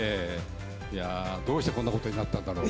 どうしてこんなことになったんだろう。